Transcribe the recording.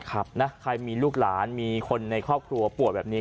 ใครมีลูกหลานมีคนในครอบครัวปวดแบบนี้